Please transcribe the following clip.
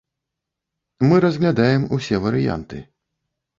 Мы разглядаем усе варыянты.